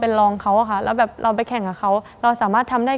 เป็นรองเขาอะค่ะแล้วแบบเราไปแข่งกับเขาเราสามารถทำได้